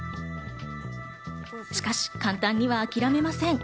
しかし、簡単には諦めません。